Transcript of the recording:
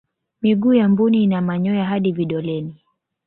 miguu ya mbuni ina manyoya hadi vidoleni